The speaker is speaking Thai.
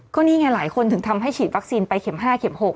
ก็นี่ไงหลายคนถึงทำให้ฉีดวัคซีนไปเข็ม๕เข็ม๖